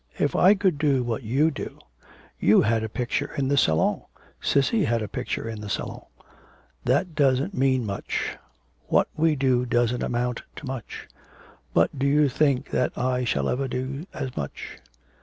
If I could do what you do. You had a picture in the Salon. Cissy had a picture in the Salon.' 'That doesn't mean much. What we do doesn't amount to much.' 'But do you think that I shall ever do as much?'